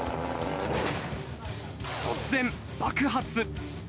突然、爆発。